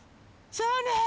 そうね。